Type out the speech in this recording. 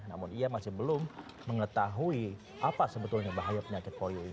namun ia masih belum mengetahui apa sebetulnya bahaya penyakit polio ini